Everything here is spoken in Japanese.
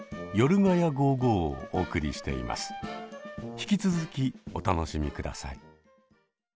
引き続きお楽しみください。